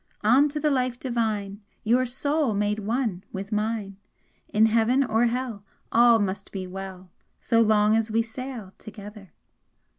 On to the life divine, Your soul made one with mine! In Heaven or Hell All must be well, So long as we sail together!